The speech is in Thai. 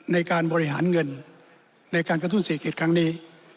ในการบริหารเงินในการกระตุ้นเศรษฐกิจครั้งนี้